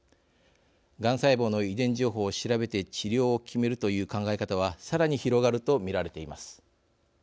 がん細胞の遺伝情報を調べて治療を決めるという考え方はさらに広がると見られています。